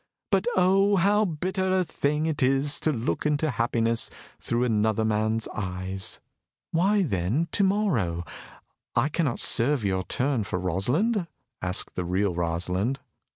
"But, oh, how bitter a thing it is to look into happiness through another man's eyes!" "Why, then, to morrow I cannot serve your turn for Rosalind?" asked the real Rosalind.